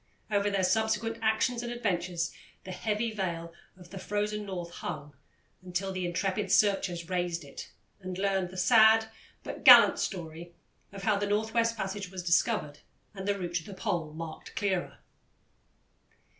Over their subsequent actions and adventures the heavy veil of the Frozen North hung until intrepid searchers raised it and learned the sad but gallant story of how the North West Passage was discovered and the route to the Pole marked clearer.